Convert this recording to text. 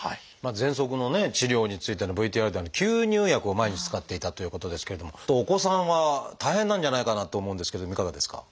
ぜんそくの治療についてのＶＴＲで吸入薬を毎日使っていたということですけれどもお子さんは大変なんじゃないかなと思うんですけどもいかがですか？